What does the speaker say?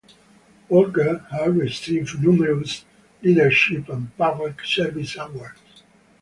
Walker has received numerous leadership and public service awards.